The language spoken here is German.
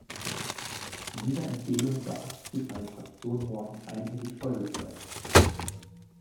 Dieser Empfehlung beabsichtigt meine Fraktion morgen einhellig Folge zu leisten.